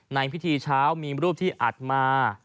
ในพิธีเช้ามีรูปที่อัดมา